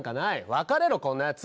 別れろこんなヤツ！